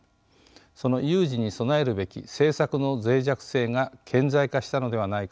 その有事に備えるべき政策の脆弱性が顕在化したのではないかと考えます。